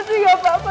tuhan tuhan tuhan